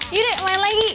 yaudah main lagi